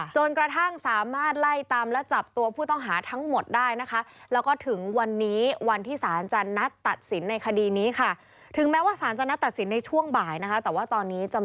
จนกระทั่งสามารถไล่ตามและจับตัวผู้ต้องหาทั้งหมดได้นะคะ